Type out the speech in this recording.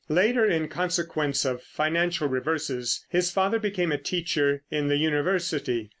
Later, in consequence of financial reverses, his father became a teacher in the university.